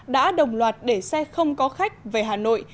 đã đồng loạt để xe không có khách về hà nội